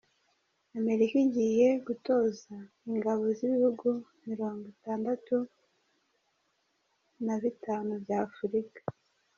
Amerika igiye gutoza ingabo z’ibihugu mirongwitatu bigatanu by’Afurika